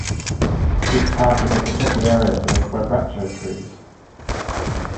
This park is a protected area for the quebracho trees.